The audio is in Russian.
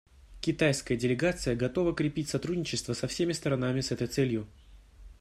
Китайская делегация готова крепить сотрудничество со всеми сторонами с этой целью.